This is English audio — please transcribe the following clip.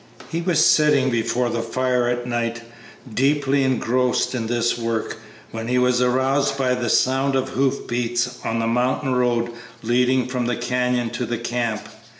He was sitting before the fire at night, deeply engrossed in this work, when he was aroused by the sound of hoof beats on the mountain road leading from the canyon to the camp.